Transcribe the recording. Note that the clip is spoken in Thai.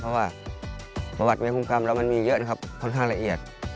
เพราะว่าประวัติเมคงกรรมเรามันมีเยอะนะครับค่อนข้างละเอียด